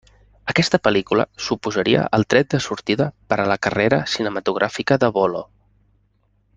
Aquesta pel·lícula suposaria el tret de sortida per a la carrera cinematogràfica de Bolo.